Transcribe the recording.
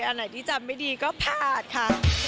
อันไหนที่จำไม่ดีก็ผ่านค่ะ